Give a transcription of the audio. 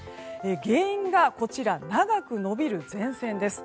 原因が長く延びる前線です。